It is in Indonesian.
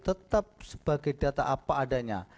tetap sebagai data apa adanya